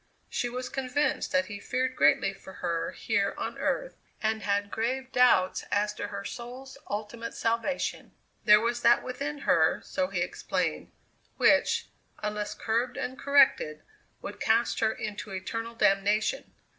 She was convinced that he feared greatly for her here on earth, and had grave doubts as to her soul's ultimate salvation. There was that within her, so he explained, which, unless curbed and corrected, would cast her into eternal damnation!